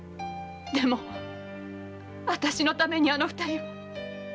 でもあたしのためにあの二人は。